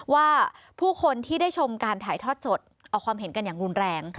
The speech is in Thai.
ว่าผู้คนที่ได้ชมการถ่ายทอดสดเอาความเห็นกันอย่างรุนแรง